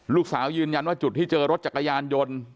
ยืนยันว่าจุดที่เจอรถจักรยานยนต์